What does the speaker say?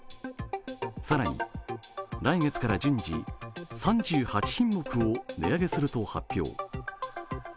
更に来月から順次３８品目を値上げすると発表。